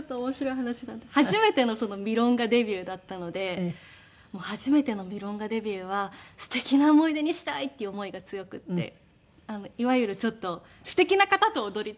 初めてのミロンガデビューだったので初めてのミロンガデビューはすてきな思い出にしたいっていう思いが強くていわゆるちょっとすてきな方と踊りたいって。